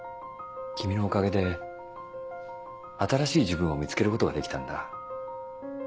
君のおかげで新しい自分を見つけることができたんだ。